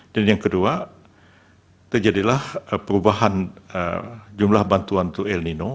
dan yang kedua terjadilah perubahan jumlah bantuan to el nino